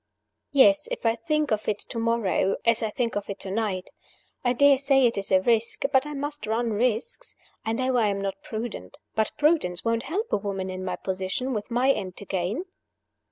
"Yes, if I think of it to morrow as I think of it to night. I dare say it is a risk; but I must run risks. I know I am not prudent; but prudence won't help a woman in my position, with my end to gain."